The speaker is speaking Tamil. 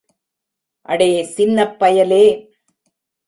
அடே சின்னப் பயலே!